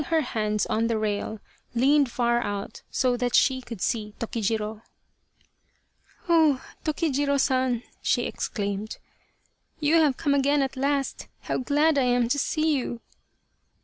139 Urasato, or the Crow of Dawn hands on the rail leaned far out so that she could see Tokijiro. " Oh ! Tokijiro San," she exclaimed, " you have come again at last, how glad I am to see you